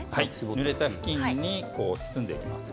ぬれた布巾に包んでいきます。